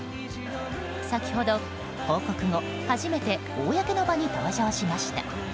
先ほど報告後初めて公の場に登場しました。